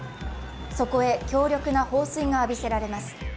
そこへ強力な放水が浴びせられます。